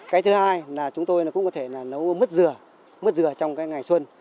cái thứ hai là chúng tôi cũng có thể nấu mứt dừa mứt dừa trong cái ngày xuân